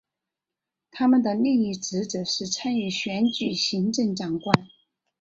他们的另一职责是参与选举行政长官。